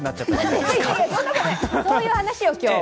そういう話を今日。